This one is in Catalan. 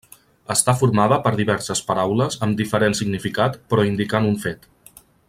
Està formada per diverses paraules amb diferent significat però indicant un fet.